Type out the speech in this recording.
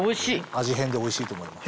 味変でおいしいと思います。